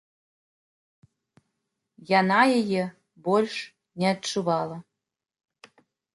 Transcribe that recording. Яна яе больш не адчувала.